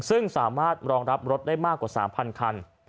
ซึ่งสามารถรองรับรถได้มากกว่า๓๐๐คัน